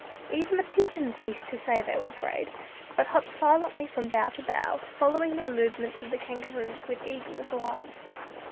Even the pigeons ceased to say they were afraid, but hopped silently from bough to bough, following the movements of the Kangaroo with eager little eyes.